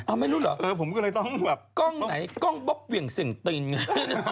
ไม่รู้เหรอเออผมก็เลยต้องแบบกล้องไหนกล้องปุ๊บเหวี่ยงเสียงตินไง